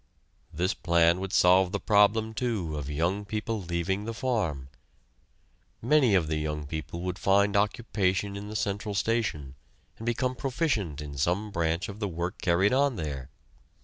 This plan would solve the problem, too, of young people leaving the farm. Many of the young people would find occupation in the central station and become proficient in some branch of the work carried on there.